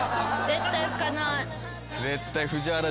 絶対。